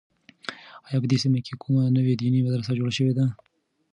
آیا په دې سیمه کې کومه نوې دیني مدرسه جوړه شوې ده؟